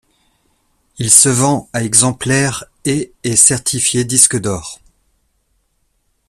Il se vend à exemplaires et est certifié disque d'or.